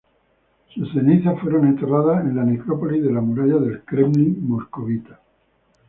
Sus cenizas fueron enterradas en la Necrópolis de la Muralla del Kremlin moscovita.